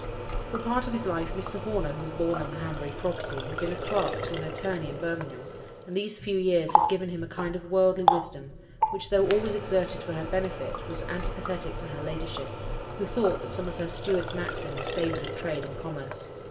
For a part of his life Mr. Horner, who was born on the Hanbury property, had been a clerk to an attorney in Birmingham; and these few years had given him a kind of worldly wisdom, which, though always exerted for her benefit, was antipathetic to her ladyship, who thought that some of her steward's maxims savoured of trade and commerce.